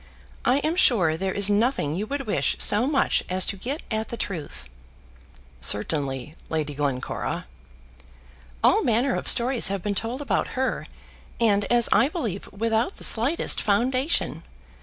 I am sure there is nothing you would wish so much as to get at the truth." "Certainly, Lady Glencora." "All manner of stories have been told about her, and, as I believe, without the slightest foundation.